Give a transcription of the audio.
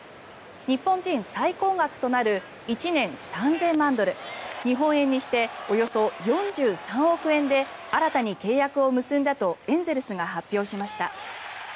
日本人最高額となる１年３０００万ドル日本円にしておよそ４３億円で新たに契約を結んだとエンゼルスが発表しました。